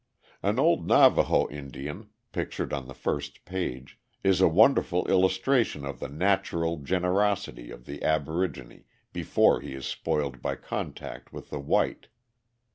An old Navaho Indian, pictured on the first page, is a wonderful illustration of the natural generosity of the aborigine before he is spoiled by contact with the white.